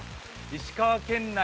石川県内